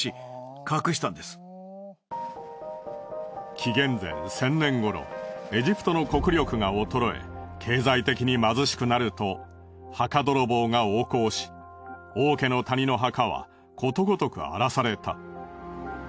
紀元前１０００年ごろエジプトの国力が衰え経済的に貧しくなると墓泥棒が横行し王家の谷の墓はことごとく荒らされた。